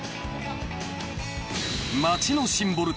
［街のシンボル